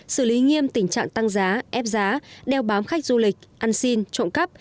xử lý nghiêm tình trạng tăng giá ép giá đeo bám khách du lịch ăn xin trộm cắp